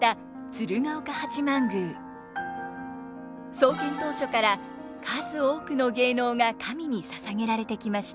創建当初から数多くの芸能が神に捧げられてきました。